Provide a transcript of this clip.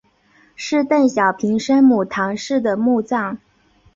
是邓小平生母谈氏的墓葬。